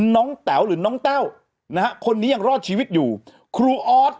แต๋วหรือน้องแต้วนะฮะคนนี้ยังรอดชีวิตอยู่ครูออส